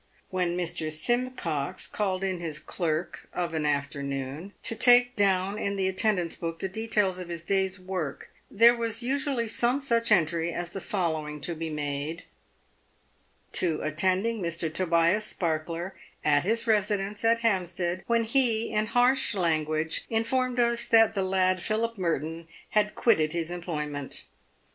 When Mr. Simcox called in his clerk, of an afternoon, to take dow n in the attendance book the details of his day's work, there was usually some such entry as the following to be made :" To attending Mr. Tobias Sparkler, at his residence at Hampstead, when he, in harsh language, informed us that the lad Philip Merton had quitted his employment.